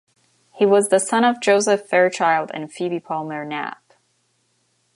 He was the son of Joseph Fairchild and Phoebe Palmer Knapp.